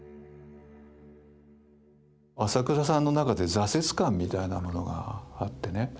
朝倉さんの中で挫折感みたいなものがあってね。